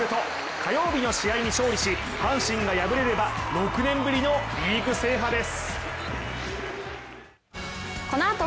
火曜日の試合に勝利し、阪神が敗れれば６年ぶりのリーグ制覇です。